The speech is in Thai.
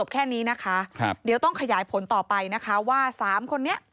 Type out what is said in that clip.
ก็ขยายผลต่อไปนะคะว่า๓คนนี้